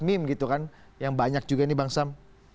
meme gitu kan yang banyak juga ini bang sam